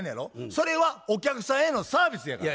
それはお客さんへのサービスやから。